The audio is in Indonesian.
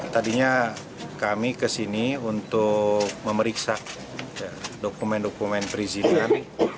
tadinya kami kesini untuk memeriksa dokumen dokumen perizinan